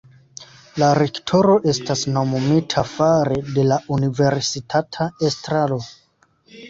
La rektoro estas nomumita fare de la universitata estraro.